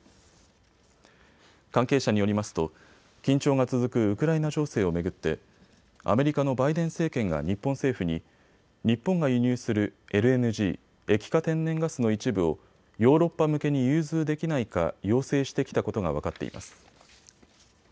関係者によりますと緊張が続くウクライナ情勢を巡ってアメリカのバイデン政権が日本政府に日本が輸入するＬＮＧ・液化天然ガスの一部をヨーロッパ向けに融通できないか要請してきたことが分かっています。